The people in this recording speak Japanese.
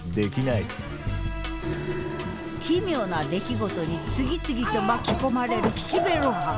奇妙な出来事に次々と巻き込まれる岸辺露伴。